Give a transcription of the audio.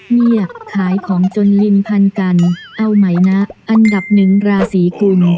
เนี่ยขายของจนลินพันกันเอาใหม่นะอันดับหนึ่งราศีกุล